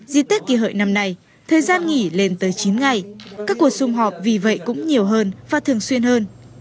dịp tết kỳ hợi năm nay thời gian nghỉ lên tới chín ngày các cuộc xung họp vì vậy cũng nhiều hơn và thường xuyên hơn